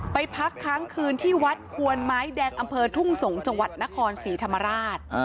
พักค้างคืนที่วัดควนไม้แดงอำเภอทุ่งสงศ์จังหวัดนครศรีธรรมราช